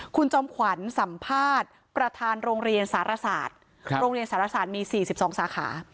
คุณจอมขวัญสัมภาษณ์ประธานโรงเรียนสารศาสตร์โรงเรียนสารศาสตร์มี๔๒สาขา